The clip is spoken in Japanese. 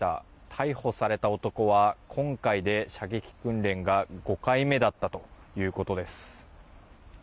逮捕された男は今回で射撃訓練が５回目だったということです。